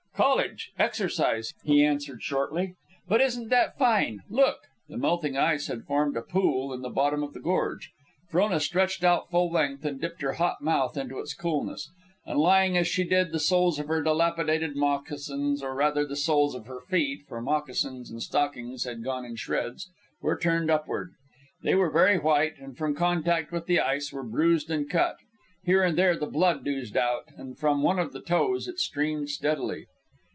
"College exercise," he answered, shortly. "But isn't that fine? Look!" The melting ice had formed a pool in the bottom of the gorge. Frona stretched out full length, and dipped her hot mouth in its coolness. And lying as she did, the soles of her dilapidated moccasins, or rather the soles of her feet (for moccasins and stockings had gone in shreds), were turned upward. They were very white, and from contact with the ice were bruised and cut. Here and there the blood oozed out, and from one of the toes it streamed steadily.